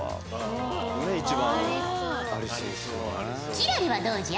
輝星はどうじゃ？